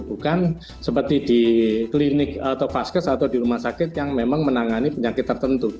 bukan seperti di klinik atau vaskes atau di rumah sakit yang memang menangani penyakit tertentu